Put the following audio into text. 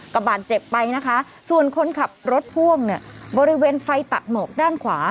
ก็บาดเจ็บไปนะคะส่วนคนขับรถพ่วงเนี่ยบริเวณไฟตัดหมอกด้านขวา